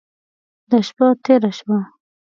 دا شپه تېره شوه.